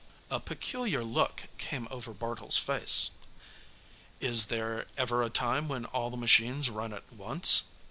A peculiar look came over Bartle's face. "Is there ever a time when all the machines run at once?